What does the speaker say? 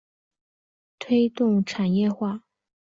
推动产业化